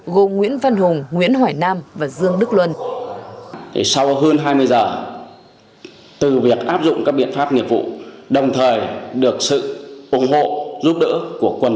gồm nguyễn văn hùng nguyễn hỏi nam và dương đức luân